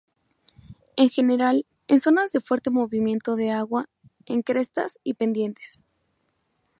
En general, en zonas de fuerte movimiento de agua, en crestas y pendientes.